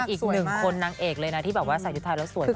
อีกหนึ่งคนนางเอกเลยนะที่แบบว่าใส่ชุดไทยแล้วสวยมาก